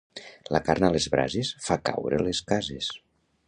La carn a les brases fa caure les cases.